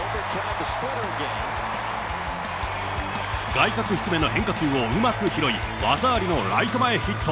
外角低めの変化球をうまく拾い、技ありのライト前ヒット。